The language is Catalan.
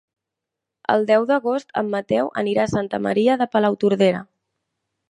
El deu d'agost en Mateu anirà a Santa Maria de Palautordera.